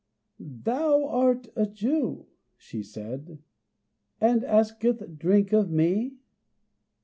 "Thou art a Jew," she said, "And asketh drink of me?